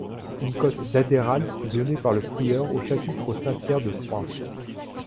Une côte d'Adérald fut donnée par le prieur au chapitre st-Pierre de Troyes.